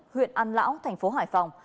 huyện an lão tp hải phòng